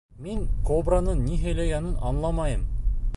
— Мин кобраның ни һөйләгәнен аңламайым.